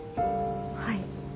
はい。